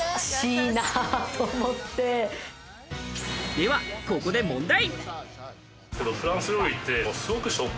では、ここで問題。